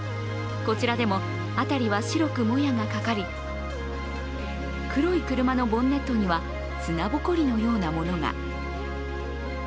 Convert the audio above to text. こちらでも辺りは白くもやがかかり黒い車のボンネットには砂ぼこりのようなものが。